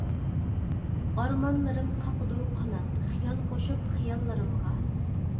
ئارمانلىرىم قاقىدۇ قانات، خىيال قوشۇپ خىياللىرىمغا.